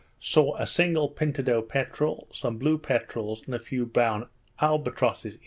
Saw a single pintadoe peterel, some blue peterels, and a few brown albatrosses.